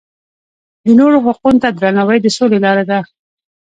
د نورو حقونو ته درناوی د سولې لاره ده.